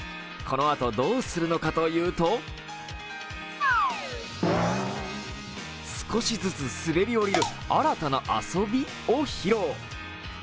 このあと、どうするのかというと少しずつ滑り降りる、新たな遊びを披露。